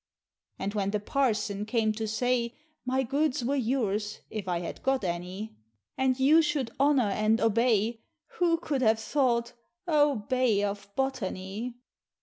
And when the parson came to say, My goods were yours, if I had got any, And you should honor and obey, Who could have thought "O Bay of Botany!"